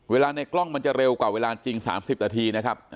ในกล้องมันจะเร็วกว่าเวลาจริง๓๐นาทีนะครับ